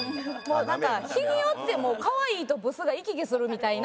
なんか日によってかわいいとブスが行き来するみたいな。